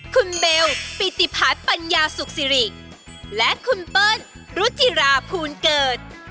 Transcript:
คุณเบลปิติพัฒน์ปัญญาสุขสิริและคุณเปิ้ลรุจิราภูลเกิด